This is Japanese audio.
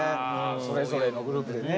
それぞれのグループでね。